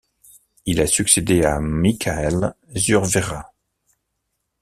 Il a succédé à Michael Zurwerra.